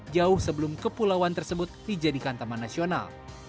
jauh sebelum kepulauan tersebut dijadikan taman nasional